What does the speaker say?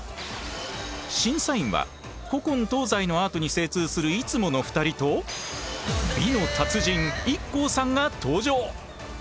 審査員は古今東西のアートに精通するいつもの２人と美の達人ＩＫＫＯさんが登場！